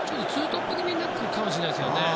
２トップ気味になっているのかもしれないです。